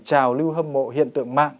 chào lưu hâm mộ hiện tượng mạng